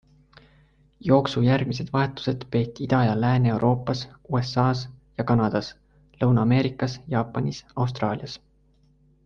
Jooksu järgmised vahetused peeti Ida- ja Lääne-Euroopas, USAs ja Kanadas, Lõuna-Ameerikas, Jaapanis, Austraalias.